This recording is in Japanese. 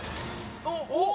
お！